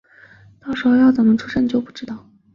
到时候要怎么出站就不知道